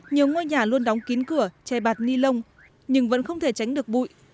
nhiều ngôi nhà luôn đóng kín cửa che bạt ni lông nhưng vẫn không thể tránh được bụi